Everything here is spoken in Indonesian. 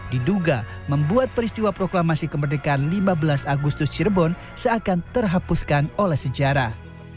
diduga membuat peristiwa proklamasi kemerdekaan lima belas agustus cirebon seakan terhapuskan oleh sejarah